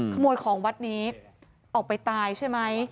ขโมยของวัดนี้ออกไปตายใช่ไหม